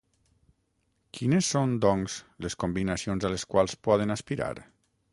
Quines són, doncs, les combinacions a les quals poden aspirar?